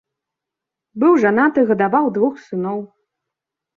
Быў жанаты, гадаваў двух сыноў.